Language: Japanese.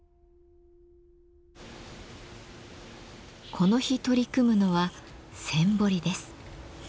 この日取り組むのは線彫りです。